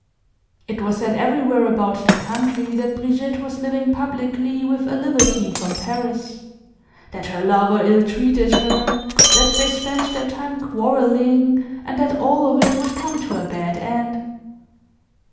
It was said everywhere about the country that Brigitte was living publicly with a libertine from Paris; that her lover ill treated her, that they spent their time quarreling and that all of it would come to a bad end.